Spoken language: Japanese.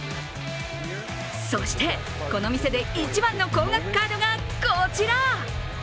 そして、この店で一番の高額カードがこちら。